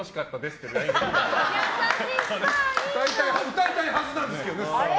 歌いたいはずなんですけどねスター。